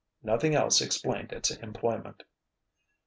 Nothing else explained its employment.